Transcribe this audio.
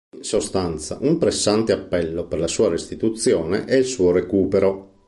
In sostanza un pressante appello per la sua restituzione e il suo recupero.